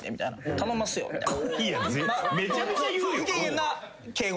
頼んますよみたいな。